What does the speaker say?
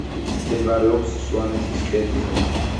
მდებარეობს სვანეთის ქედზე.